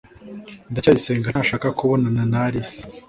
ndacyayisenga ntashaka kubonana na alice